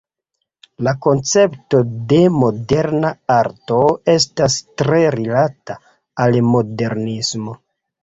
La koncepto de moderna arto estas tre rilata al modernismo.